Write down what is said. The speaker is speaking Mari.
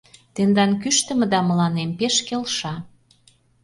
Тендан кӱштымыда мыланем пеш келша.